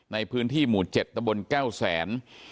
ในพื้นที่หมู่๗ตะบล๙แสน